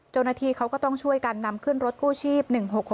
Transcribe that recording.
เจ้าหน้าที่เขาก็ต้องช่วยกันนำขึ้นรถกู้ชีพ๑๖๖